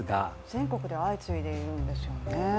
全国で相次いでいるんですよね？